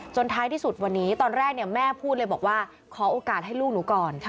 ท้ายที่สุดวันนี้ตอนแรกแม่พูดเลยบอกว่าขอโอกาสให้ลูกหนูก่อน